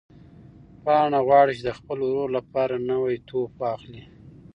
پاڼه غواړي چې د خپل ورور لپاره نوی توپ واخلي.